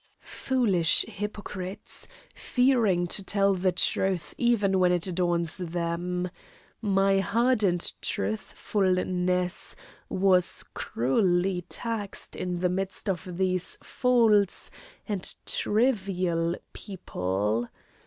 Foolish hypocrites, fearing to tell the truth even when it adorns them! My hardened truthfulness was cruelly taxed in the midst of these false and trivial people.